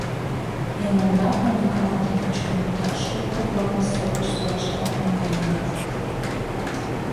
Эн ондак нуно канатым пӱчкыныт да шлюпко-влакым сер деч торашкырак наҥгаеныт.